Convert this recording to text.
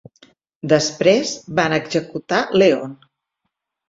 Després van executar Leon.